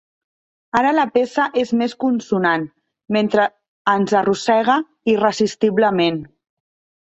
Ara la peça és més consonant, mentre ens arrossega irresistiblement.